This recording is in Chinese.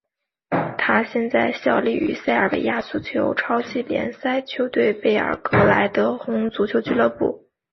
他现在效力于塞尔维亚足球超级联赛球队贝尔格莱德红星足球俱乐部。